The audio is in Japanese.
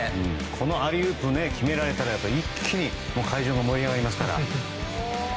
アリウープを決められたら一気に会場が盛り上がります。